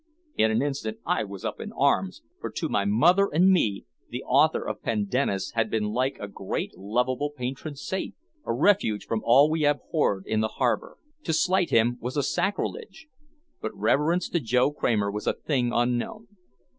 In an instant I was up in arms, for to my mother and me the author of "Pendennis" had been like a great lovable patron saint, a refuge from all we abhorred in the harbor. To slight him was a sacrilege. But reverence to Joe Kramer was a thing unknown.